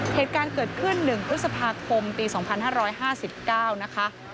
เหตุการณ์เกิดขึ้น๑พฤษภาคมปี๒๕๕๙นะคะ